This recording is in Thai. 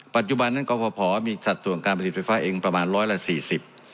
ปัจจุบันนั้นกรพมีสัดส่วนการผลิตไฟฟ้าเองประมาณร้อยละสี่สิบ